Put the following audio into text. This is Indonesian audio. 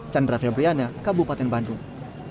chandra febriana kabupaten bandung